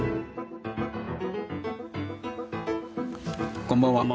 こんばんは。